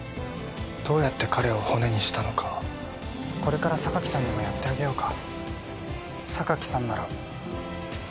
どうやって彼を骨にしたのかこれから榊さんにもやってあげようか。